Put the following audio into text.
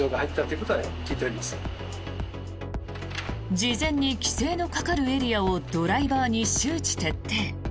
事前に規制のかかるエリアをドライバーに周知徹底。